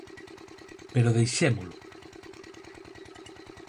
Pero deixémolo.